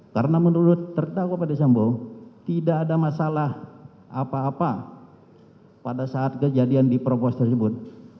karena menurut terdakwa pada sambo tidak ada masalah apa apa pada saat kejadian di propos tersebut